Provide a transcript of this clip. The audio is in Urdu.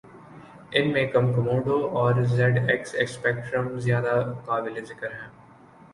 ان میں کمکموڈو اور زیڈ ایکس اسپیکٹرم زیادہ قابل ذکر ہیں